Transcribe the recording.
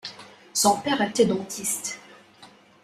Son père était dentiste.